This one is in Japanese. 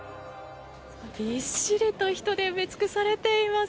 びっしりと人で埋め尽くされています。